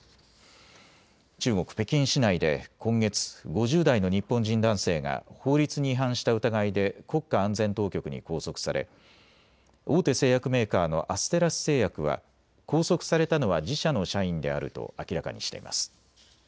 中国北京市内で今月、５０代の日本人男性が法律に違反した疑いで国家安全当局に拘束され大手製薬メーカーのアステラス製薬は拘束されたのは自社の社員であると明らかにしています。